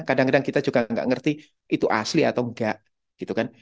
kadang kadang kita juga gak ngerti itu asli atau enggak